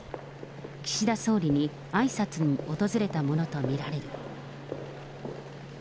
岸田総理にあいさつに訪れたものと見られる。